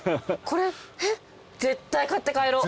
これえっ絶対買って帰ろう。